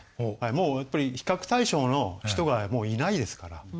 もうやっぱり比較対象の人がいないですから。